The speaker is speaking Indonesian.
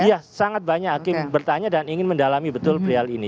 iya sangat banyak hakim bertanya dan ingin mendalami betul perihal ini